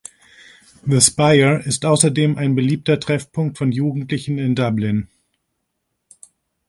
The Spire ist außerdem ein beliebter Treffpunkt von Jugendlichen in Dublin.